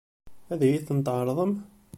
Ad iyi-ten-tɛeṛḍem?